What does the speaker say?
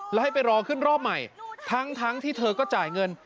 แล้วให้ไปรอขึ้นรอบใหม่ทั้งที่เธอก็จ่ายเงิน